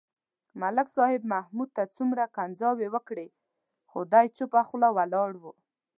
ملک صاحب محمود ته څومره کنځلې وکړې. خو دی چوپه خوله ولاړ و.